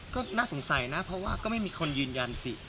ก็น่าสงสัยนะเพราะว่าก็ไม่มีคนยืนยันสิ